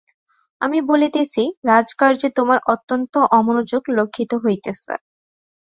আমি বলিতেছি, রাজকার্যে তোমার অত্যন্ত অমনোযোগ লক্ষিত হইতেছে।